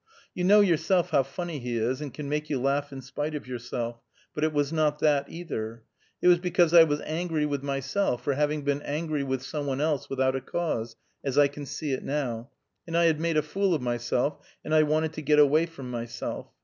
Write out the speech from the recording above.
You know yourself how funny he is, and can make you laugh in spite of yourself, but it was not that, either. It was because I was angry with myself for having been angry with some one else, without a cause, as I can see it now, and I had made a fool of myself, and I wanted to get away from myself.